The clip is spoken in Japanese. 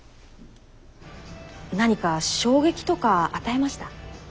何か衝撃とか与えました？